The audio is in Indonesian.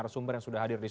kalo kan udah andar